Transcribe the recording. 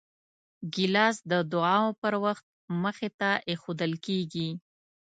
ګیلاس د دعاو پر وخت مخې ته ایښودل کېږي.